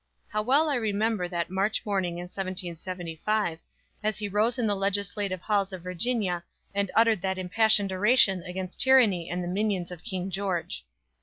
How well I remember that March morning in 1775, as he rose in the legislative halls of Virginia, and uttered that impassioned oration against tyranny and the minions of King George.